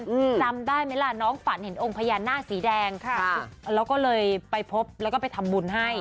อืมจำได้ไหมล่ะน้องฝันเห็นองค์พญานาคสีแดงค่ะแล้วก็เลยไปพบแล้วก็ไปทำบุญให้